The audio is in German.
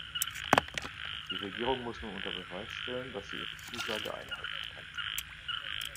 Die Regierung muss nun unter Beweis stellen, dass sie ihre Zusage einhalten kann.